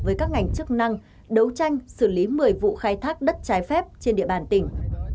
với các ngành chức năng đấu tranh xử lý một mươi vụ khai thác đất trái phép trên địa bàn tỉnh